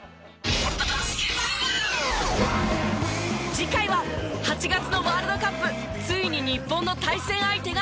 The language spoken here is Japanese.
次回は８月のワールドカップついに日本の対戦相手が決定！